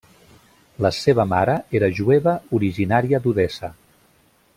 La seva mare era jueva originària d'Odessa.